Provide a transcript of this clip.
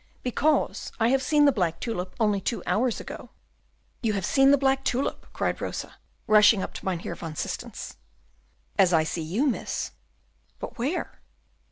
"Because I have seen the black tulip only two hours ago." "You have seen the black tulip!" cried Rosa, rushing up to Mynheer van Systens. "As I see you, miss." "But where?"